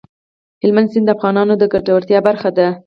هلمند سیند د افغانانو د ګټورتیا برخه ده.